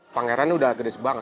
pangeran udah agres banget